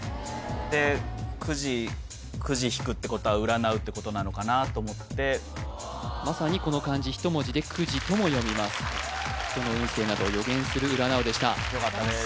でくじくじ引くってことはうらなうってことなのかなと思ってまさにこの漢字一文字でくじとも読みます人の運勢などを予言するうらなうでしたよかったです